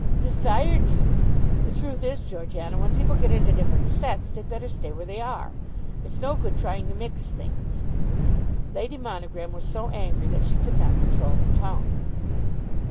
"Desired you! The truth is, Georgiana, when people get into different sets, they'd better stay where they are. It's no good trying to mix things." Lady Monogram was so angry that she could not control her tongue.